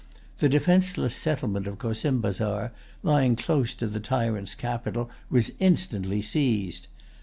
The defenceless settlement of Cossimbazar, lying close to the tyrant's capital, was instantly seized.